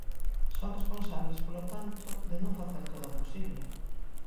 Son responsables, polo tanto, de non facer todo o posible.